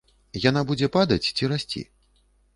Яна будзе падаць ці расці?